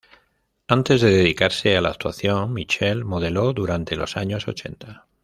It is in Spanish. Antes de dedicarse a la actuación Mitchell modeló durante los años ochenta.